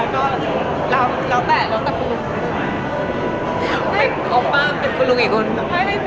ก็ว่ามาติดไม่ตาม